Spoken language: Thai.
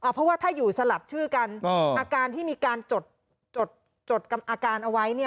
เพราะว่าถ้าอยู่สลับชื่อกันอาการที่มีการจดอาการเอาไว้เนี่ย